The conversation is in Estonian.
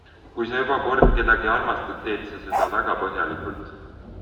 Kui sa juba kord kedagi armastad, teed sa seda väga põhjalikult.